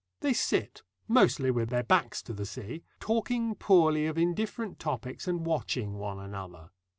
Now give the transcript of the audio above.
They sit mostly with their backs to the sea talking poorly of indifferent topics and watching one another.